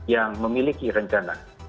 yang memiliki rencana